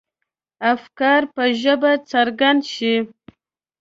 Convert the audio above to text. افکار په ژبه څرګند شي.